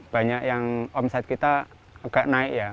banyak yang omset kita agak naik ya